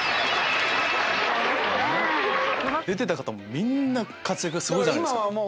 出てた方もうみんな活躍がすごいじゃないですか。